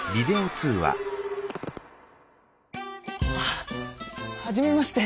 ☎あっ初めまして！